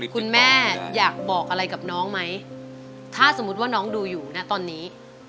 คุณแม่อยากบอกอะไรกับน้องไหมถ้าสมมุติว่าน้องดูอยู่นะตอนนี้